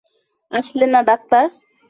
আসলে না, ডাক্তার।